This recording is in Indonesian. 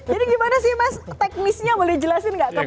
jadi gimana sih mas teknisnya boleh dijelasin gak ke mas yoris